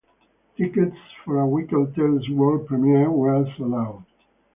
Tickets for A Wicked Tale's World Premiere were sold out.